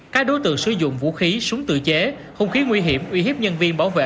các đối tượng sử dụng vũ khí súng tự chế không khí nguy hiểm uy hiếp nhân viên bảo vệ